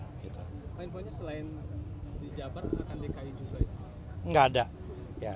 poin poinnya selain di jabar akan dki juga ya